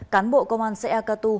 cán bộ công an xã e cà tu